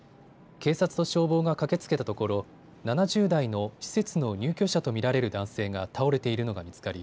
警察と消防が駆けつけたところ７０代の施設の入居者と見られる男性が倒れているのが見つかり